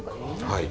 はい。